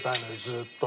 ずーっと。